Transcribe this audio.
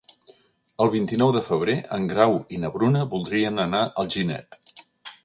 El vint-i-nou de febrer en Grau i na Bruna voldrien anar a Alginet.